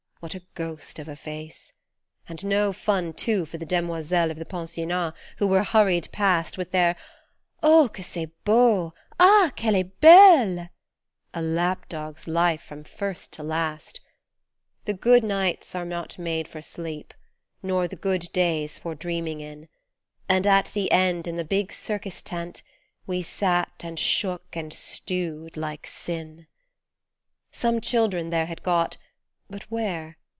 what a ghost of a face ! And no fun too for the demoiselles Of the pensionnat, who were hurried past, With their " Oh, que c'est beau Ah, qu'elle est belle !" A lap dog's life from first to last ! The good nights are not made for sleep, nor the good days for dreaming in, And at the end in the big Circus tent we sat and shook and stewed like sin Some children there had got but where